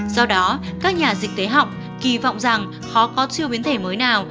do đó các nhà dịch tế họng kỳ vọng rằng họ có siêu biến thể mới nào